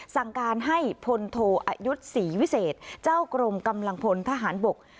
สั่งการให้พลโทอายุศรีวิเศษเจ้ากรมกำลังพลทหารบก